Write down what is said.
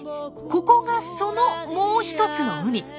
ここがそのもう一つの海。